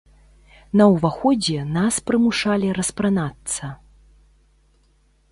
На ўваходзе нас прымушалі распранацца.